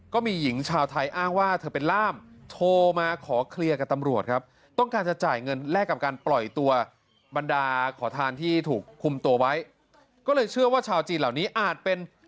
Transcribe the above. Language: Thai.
ก็เลยเชื่อว่าชาวจีนเหล่านี้อาจเป็น